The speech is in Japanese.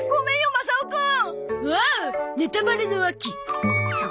マサオくん